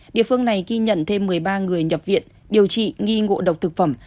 địa phương này ghi nhận thêm một mươi ba người nhập viện điều trị nghi ngộ độc thực phẩm